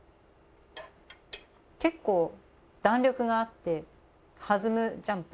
結構弾力があって弾むジャンプ。